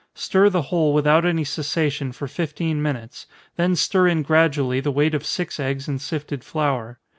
Stir the whole without any cessation for fifteen minutes, then stir in gradually the weight of six eggs in sifted flour.